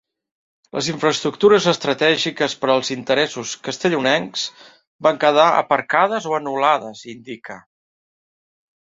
Les infraestructures estratègiques per als interessos castellonencs van quedar aparcades o anul·lades, indica.